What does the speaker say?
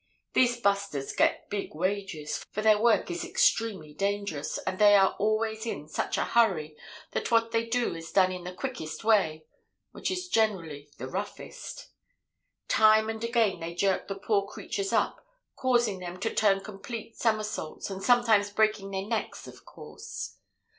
These 'busters' get big wages, for their work is extremely dangerous, and they are always in such a hurry that what they do is done in the quickest way, which is generally the roughest. "Time and again they jerk the poor creatures up, causing them to turn complete somersaults, and sometimes breaking their necks, of course.